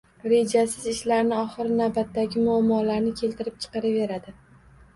Rejasiz ishlarning oxiri navbatdagi muammolarni keltirib chiqaraveradi.